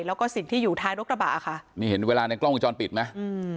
แล้วก็สิ่งที่อยู่ท้ายรถกระบะค่ะนี่เห็นเวลาในกล้องวงจรปิดไหมอืม